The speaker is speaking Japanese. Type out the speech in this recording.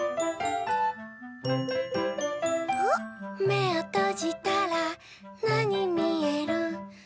「めをとじたらなにみえる？」